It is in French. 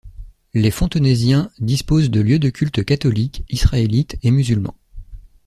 Les Fontenaisiens disposent de lieux de culte catholique, israélite, et musulman.